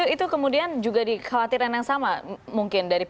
itu kemudian juga dikhawatiran yang sama mungkin dari p tiga